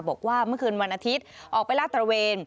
บอกว่าเมื่อคืนวันอาทิตย์ออกไปลาดตระเวน